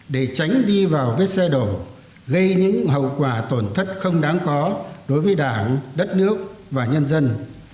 để tránh đi vào vết xe đổ gây những hậu quả tổn thất không đáng có đối với đảng đất nước và nhân dân